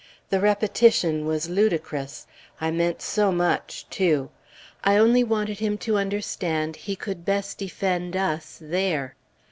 The repetition was ludicrous. I meant so much, too! I only wanted him to understand he could best defend us there.